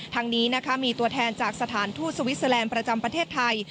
ทางนี้นะคะมีตัวแทนจากสถานทูตสวิสเตอร์แลนด์ประจำประเทศไทย